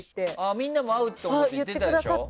みんなも合うと思うって言ってたでしょ？